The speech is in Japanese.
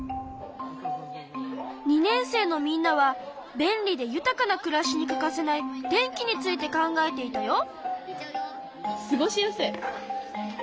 ２年生のみんなは便利で豊かな暮らしに欠かせない電気について考えていたよ。